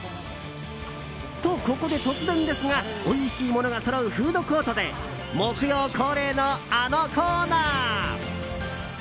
と、ここで突然ですがおいしいものがそろうフードコートで木曜恒例のあのコーナー。